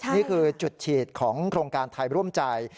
นี่คือจุดฉีดของโครงการไทยร่วมใจ